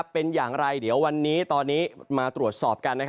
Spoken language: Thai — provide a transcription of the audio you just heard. เป็นอย่างไรเดี๋ยววันนี้ตอนนี้มาตรวจสอบกัน